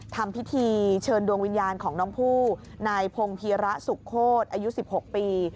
ทำพิธีเชิญดวงวิญญาณของน้องผู้นายพงภีระสุโคตรอายุ๑๖ปี